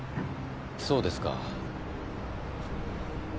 そうですか。